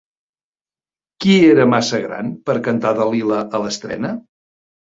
Qui era massa gran per cantar Dalila a l'estrena?